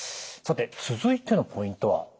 さて続いてのポイントは？